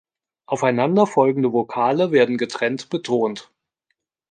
Aufeinanderfolgende Vokale werden getrennt betont.